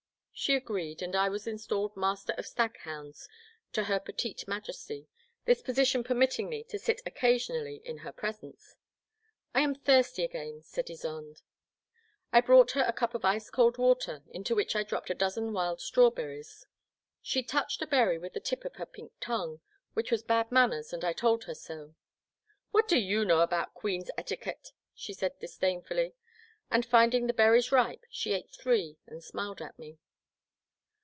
She agreed, and I was installed Master of Stag hounds to her petite Majesty — ^this position per mitting me to sit occasionally in her presence. " I am thirsty again," said Ysonde. (f 174 ^^ Black Water. I brought her a cup of ice cold water into which I dropped a dozen wild strawberries. She touched a berry with the tip of her pink tongue, which was bad manners, and I told her so. What do you know about Queen's eti quette? " she said disdainfully, and, finding the berries ripe, she ate three and smiled at me.